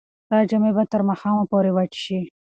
ستا جامې به تر ماښامه پورې وچې شي.